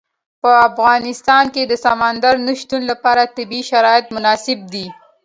په افغانستان کې د سمندر نه شتون لپاره طبیعي شرایط مناسب دي.